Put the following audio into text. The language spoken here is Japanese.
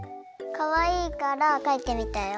かわいいからかいてみたよ。